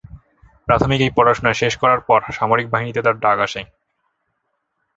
প্রাথমিক এই পড়াশোনা শেষ করার পর সামরিক বাহিনীতে তার ডাক আসে।